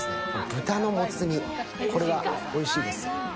豚のもつ煮、これがおいしいです。